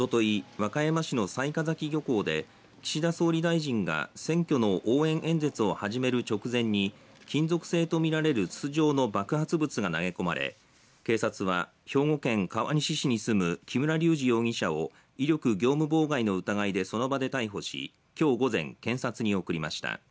和歌山市の雑賀崎漁港で岸田総理大臣が選挙の応援演説を始める直前に金属製と見られる筒状の爆発物が投げ込まれ警察は兵庫県川西市に住む木村隆二容疑者を威力業務妨害の疑いでその場で逮捕しきょう午前検察に送りました。